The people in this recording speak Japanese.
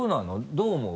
どう思う？